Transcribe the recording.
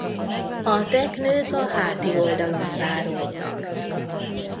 A teknők a háti oldalon záródnak.